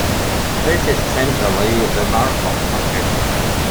This is essentially the Markov partition.